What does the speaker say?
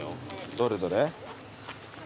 どれどれ。